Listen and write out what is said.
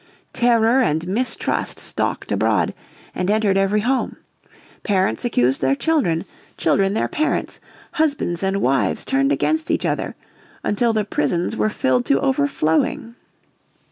Terror and mistrust stalked abroad, and entered every home. Parents accused their children, children their parents, husbands and wives turned against each other until the prisons were filled to overflowing.